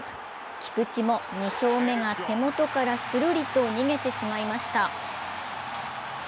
菊池も２勝目が手元からするりと逃げてしまいました。